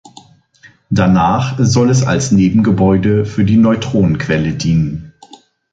Danach soll es als Nebengebäude für die Neutronenquelle dienen.